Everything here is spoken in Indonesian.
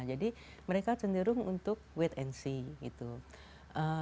jadi mereka cenderung untuk wait and see